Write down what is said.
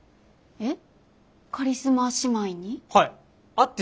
えっ？